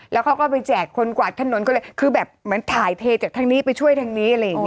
แล้วเขาก็ไปแจกคนกวาดถนนก็เลยคือแบบเหมือนถ่ายเทจากทางนี้ไปช่วยทางนี้อะไรอย่างนี้